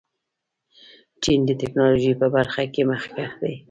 چین د ټیکنالوژۍ په برخه کې مخکښ دی.